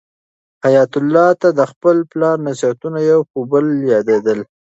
حیات الله ته د خپل پلار نصیحتونه یو په یو یادېدل.